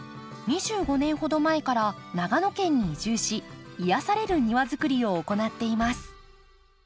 ２５年ほど前から長野県に移住し癒やされる庭づくりを行っています。